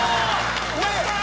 やったー！